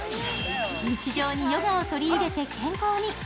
日常にヨガを取り入れて健康に。